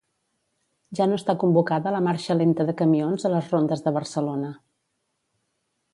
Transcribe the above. Ja no està convocada la marxa lenta de camions a les rondes de Barcelona.